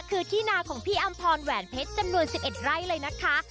คือที่นาของพี่อำพรแหวนเพชรจำนวน๑๑ไร่เลยนะคะ